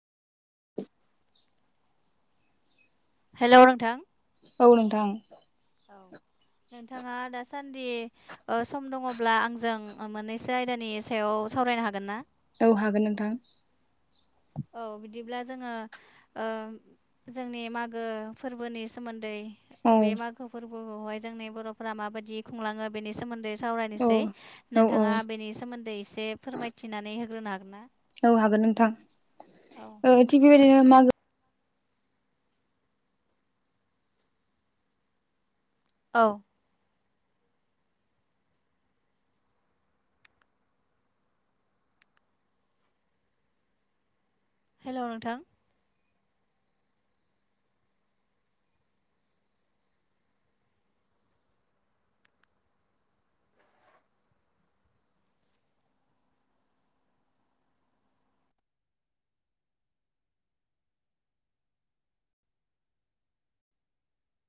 [unintelligible] हेल' नोंथां। औ नोंथां। औ। नोंथाङा दासान्दि सम दङब्ला आंजों मोननैसो आयदानि सायाव सावरायनो हागोन ना? औ हागोन नोंथां। औ बिदिब्ला जोङो जोंनि मागो फोरबोनि सोमोन्दै। औ बे मागो फोरबोखौहाय जोंनि बर'फोरा माबायदि खुंलाङो बेनि सोमोन्दै। औ सावरायनोसै औ औ नोंथाङा बेनि सोमोन्दै एसे फोरमायथिनानै होग्रोनो हागोन ना? औ हागोन नोंथां औ थिग बेबायदिनो म औ। हेल' नोंथां।